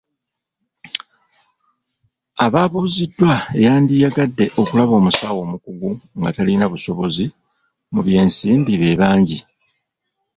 Abaabuuziddwa eyandiyagadde okulaba omusawo omukugu nga talina busobozi mu by'ensimbi bebangi.